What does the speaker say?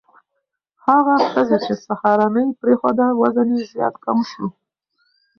هغه ښځې چې سهارنۍ پرېښوده، وزن یې زیات کم شو.